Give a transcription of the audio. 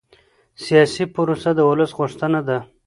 سیاسي پروسه د ولس غوښتنه ده